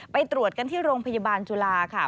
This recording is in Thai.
ไปตรวจกันที่โรงพยาบาลจุฬาค่ะ